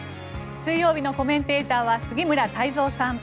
水曜日のコメンテーターは杉村太蔵さん。